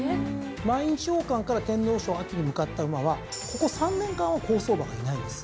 毎日王冠から天皇賞に向かった馬はここ３年間は好走馬がいないんです。